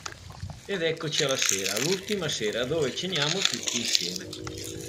Ed eccoci alla sera, l'ultima sera dove ceniamo tutti insieme.